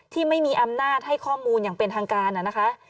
ที่มีอำนาจให้ข้อมูลอย่างเป็นทางการนะคะ